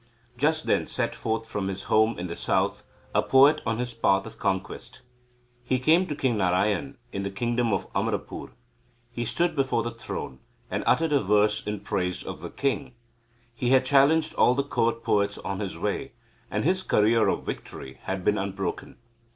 Just then set forth from his home in the south a poet on his path of conquest. He came to King Narayan, in the kingdom of Amarapur. He stood before the throne, and uttered a verse in praise of the king. He had challenged all the court poets on his way, and his career of victory had been unbroken.